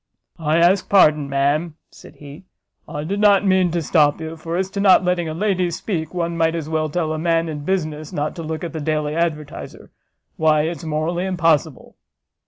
"I ask pardon, ma'am," said he, "I did not mean to stop you; for as to not letting a lady speak, one might as well tell a man in business not to look at the Daily Advertiser; why, it's morally impossible!"